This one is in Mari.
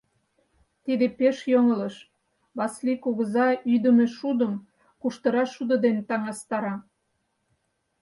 Тиде пеш йоҥылыш: Васлий кугыза ӱдымӧ шудым куштыра шудо дене таҥастара.